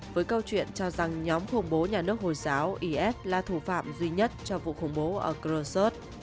với câu chuyện cho rằng nhóm khủng bố nhà nước hồi giáo is là thủ phạm duy nhất cho vụ khủng bố ở chrosot